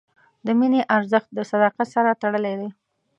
د مینې ارزښت د صداقت سره تړلی دی.